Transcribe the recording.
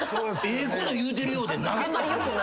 ええこと言うてるようで投げた。